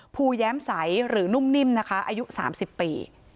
ภูแย้มใสหรือนุ่มนิ่มนะคะอายุสามสิบปี